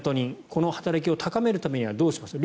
この働きを高めるためにはどうすればいいか。